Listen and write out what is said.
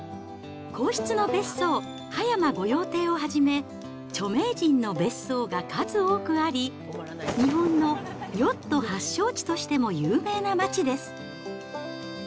皇室の別荘、葉山御用邸をはじめ、著名人の別荘が数多くあり、日本のヨット発祥地としても有名な街です。